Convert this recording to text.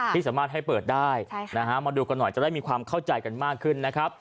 ที่สามารถให้เปิดได้มาดูกันหน่อยจะได้มีความเข้าใจกันมากขึ้นนะครับ